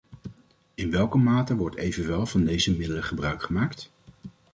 In welke mate wordt evenwel van deze middelen gebruik gemaakt?